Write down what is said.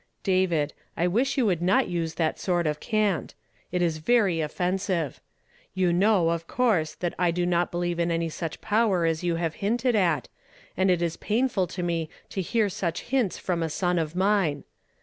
" David, I wish you would not use that sort of cant; it is very offensive. You know, of course, that I do not beheve in any such power as you have liinted at, and it is painful to me to hear such hints from a son of mine.